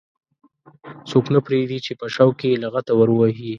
څوک نه پرېږدي چې په شوق کې یې لغته ور ووهي.